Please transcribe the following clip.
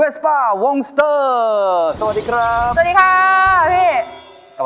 สวัสดีครับ